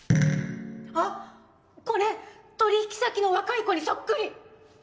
あっこれ取引先の若い子にそっくり！